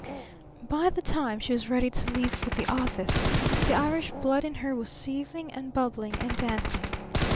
By the time she was ready to leave for the office the Irish blood in her was seething and bubbling and dancing.